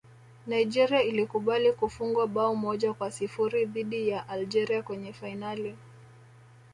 nigeria ilikubali kufungwa bao moja kwa sifuri dhidi ya algeria kwenye fainali